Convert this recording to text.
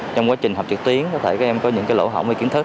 trong quá trình học trực tuyến có thể các em có những lỗ hỏng hay kiến thức